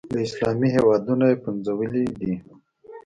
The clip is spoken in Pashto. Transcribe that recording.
له اسلامي هېوادونو یې پنځولي دي.